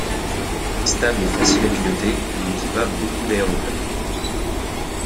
Stable et facile à piloter, il équipa beaucoup d'aéro-clubs.